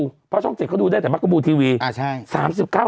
เพราะช่องเจ็ดเขาดูได้แต่บักบูทีวีอ่ะใช่